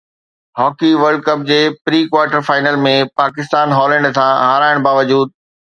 hockey World Cup جي pre quarter final ۾ Pakistan Holland هٿان هارائڻ باوجود